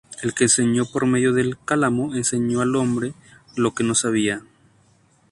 El que enseñó por medio del cálamo, enseñó al hombre lo que no sabía".